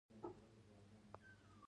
نه. جميلې وويل:.